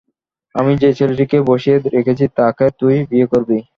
আমি যে-ছেলেটিকে বসিয়ে রেখেছি তাকে তুই বিয়ে করবি।